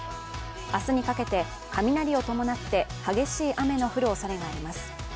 明日にかけて雷を伴って激しい雨の降るおそれがあります。